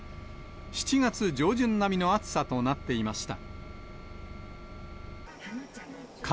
７月上旬並みの暑さとなっていました。